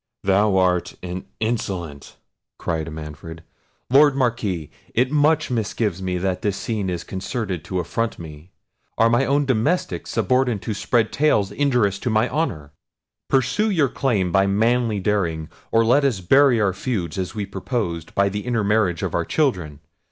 "Thou art an insolent!" cried Manfred. "Lord Marquis, it much misgives me that this scene is concerted to affront me. Are my own domestics suborned to spread tales injurious to my honour? Pursue your claim by manly daring; or let us bury our feuds, as was proposed, by the intermarriage of our children.